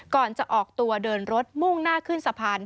ก่อนจะออกตัวเดินรถมุ่งหน้าขึ้นสะพาน